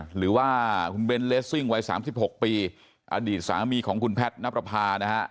หรือว่าเวลาสามยี่ปีอาหลิตสามีของคุณนับรพานะฮะ